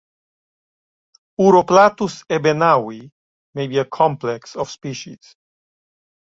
"Uroplatus ebenaui" may be a complex of species.